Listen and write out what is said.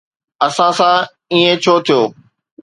اسان سان ائين ڇو ٿيو؟